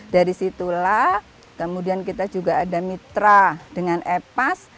dari situlah kemudian kita juga ada mitra dengan epas